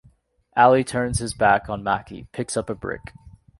Ali turns his back on Macki, picks up a brick.